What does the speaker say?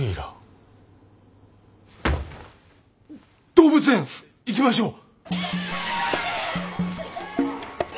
動物園行きましょう！